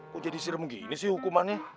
kok jadi sirem gini sih hukumannya